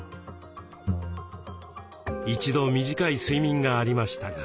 一度短い睡眠がありましたが。